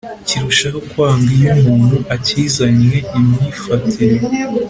kirushaho kwangwa iyo umuntu akizanye imyifatire